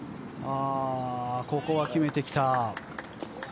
ここは決めてきた。